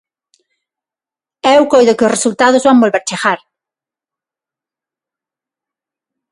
Eu coido que os resultados van volver chegar.